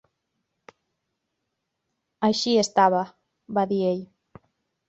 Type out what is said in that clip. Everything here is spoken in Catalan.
"Així estava", va dir ell.